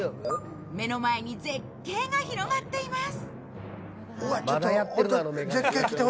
目の前に絶景が広がっています。